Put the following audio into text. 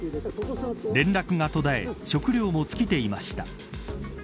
連絡が途絶え食料も尽きていました。